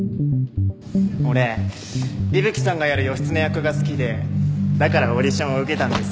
俺伊吹さんがやる義経役が好きでだからオーディションを受けたんです。